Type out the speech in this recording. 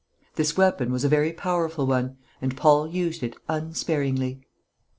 This weapon was a very powerful one, and Paul used it unsparingly.